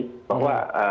bahwa penetapan tersangka